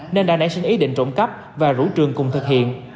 nên đã nảy sinh ý định trộm cắp và rủ trường cùng thực hiện